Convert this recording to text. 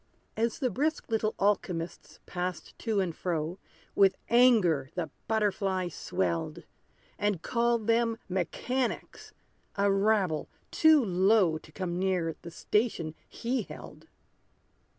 As the brisk little alchymists passed to and fro, With anger the butterfly swelled; And called them mechanics a rabble too low To come near the station he held.